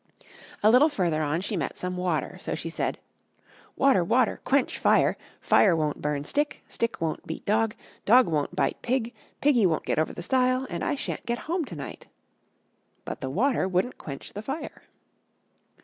A little further on she met some water. So she said: "Water! water! quench fire; fire won't burn stick; stick won't beat dog; dog won't bite pig; piggy won't get over the stile; and I sha'n't get home to night." But the water wouldn't quench the fire.